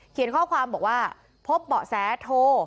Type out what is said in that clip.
เขียนข้อความบอกว่าพบเบาะแซโท